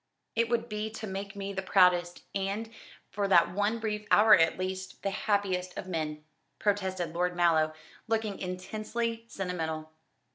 "It would be to make me the proudest, and for that one brief hour at least the happiest of men," protested Lord Mallow, looking intensely sentimental.